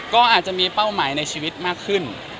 ก็อาจจะมีเป้าหมายในชีวิตมากขึ้น